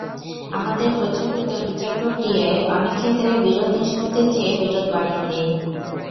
আমাদের প্রচলিত বিচারপ্রক্রিয়ায় অনেক ক্ষেত্রেই বিরোধ নিষ্পত্তির চেয়ে বিরোধ বাড়িয়ে দেয়।